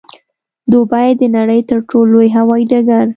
دوبۍ د نړۍ د تر ټولو لوی هوايي ډګر